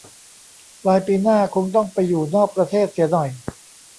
ปลายปีหน้าคงต้องไปอยู่นอกประเทศเสียหน่อย